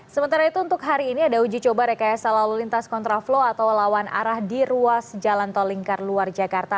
sementara itu untuk hari ini ada uji coba rekayasa lalu lintas kontraflow atau lawan arah di ruas jalan tol lingkar luar jakarta